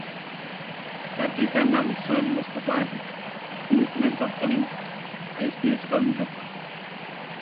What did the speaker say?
তার পিতার নাম সৈয়দ মোস্তফা আলী; তিনি ছিলেন তৎকালীন আইসিএস কর্মকর্তা।